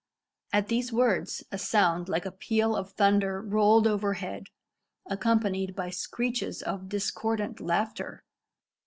At these words a sound like a peal of thunder rolled over head, accompanied by screeches of discordant laughter.